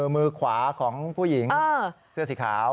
มือขวาของผู้หญิงเสื้อสีขาว